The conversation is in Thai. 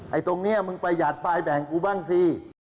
ตรงนี้มึงประหยัดปลายแบ่งกูบ้างสิ